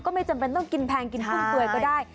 ไม่จำเป็นต้องกินแพงกินกุ้งเปลือยก็ได้